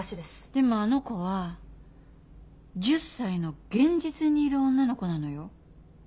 でもあの子は１０歳の現実にいる女の子なのよ？